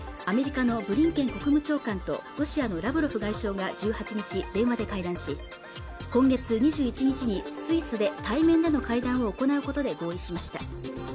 アメリカのブリンケン国務長官とロシアのラブロフ外相が１８日電話で会談し今月２１日にスイスで対面での会談を行うことで合意しました